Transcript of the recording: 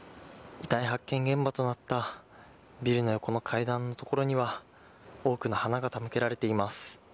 遺体発見現場となったビルの横の階段の所には多くの花が手向けられています。